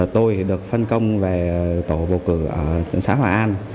tôi được phân công về tổ bầu cử ở xã hòa an